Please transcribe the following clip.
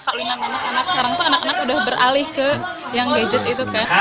kawinan anak anak sekarang tuh anak anak udah beralih ke yang gadget itu kan